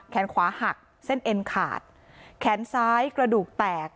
แขนขวาหักเส้นเอ็นขาดแขนซ้ายกระดูกแตก